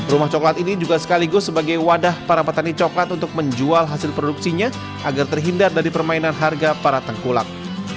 rumah coklat ini juga sekaligus sebagai wadah para petani coklat untuk menjual hasil produksinya agar terhindar dari permainan harga para tengkulak